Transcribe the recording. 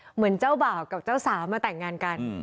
เหมือนเจ้าบ่าวกับเจ้าสาวมาแต่งงานกัน